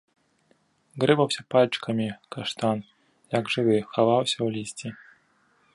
Грэбаўся пальчыкамі, каштан, як жывы, хаваўся ў лісці.